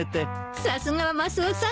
さすがはマスオさん